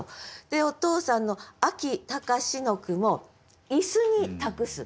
でお父さんの「秋高し」の句も「椅子」に託す。